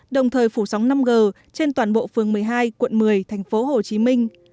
đồng thời phủ sóng năm g trên toàn bộ phương một mươi hai quận một mươi tp hcm